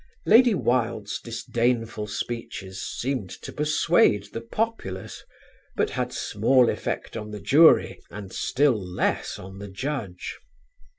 Lady Wilde's disdainful speeches seemed to persuade the populace, but had small effect on the jury, and still less on the judge.